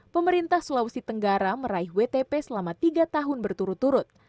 pemerintah sulawesi tenggara meraih wtp selama tiga tahun berturut turut